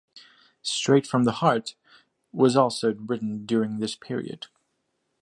"Straight From The Heart" was also written during this period.